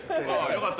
よかった。